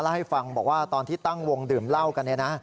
แล้วให้ฟังบอกว่าตอนที่ตั้งวงดื่มเล่ากัน